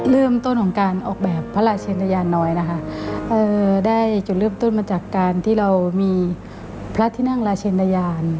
เริ่มต้นของการออกแบบพระราชินยานน้อยนะคะได้จุดเริ่มต้นมาจากการที่เรามีพระที่นั่งราชเชนยาน